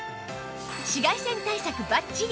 紫外線対策バッチリ！